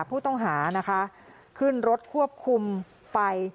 ผู้ต้องหานะคะขึ้นรถควบคุมไป